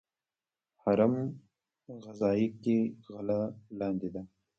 هرم غذایی کې غله لاندې ده.